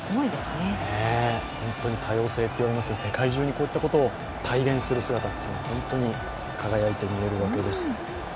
多様性と言われますが、世界中にこういったことを体現する姿っていうのは本当に輝いて見えるわけです。